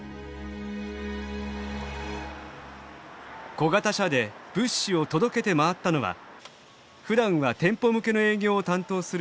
小型車で物資を届けて回ったのはふだんは店舗向けの営業を担当する社員たち。